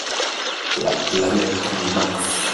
La planète Mars.